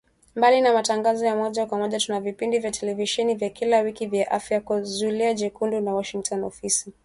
Mbali na matangazo ya moja kwa moja tuna vipindi vya televisheni vya kila wiki vya Afya Yako, Zulia Jekundu na Washington Ofisi